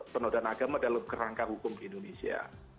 penodaan agama dalam kerangka hukum di indonesia